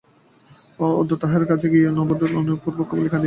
অদ্য তাহার কাছে গিয়া নন্দবাবুর ঘটনা আনুপূর্বিক বলিয়া কাঁদিয়া ফেলিল।